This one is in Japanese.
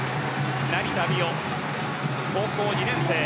成田実生、高校２年生。